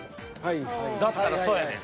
だったらそうやねん。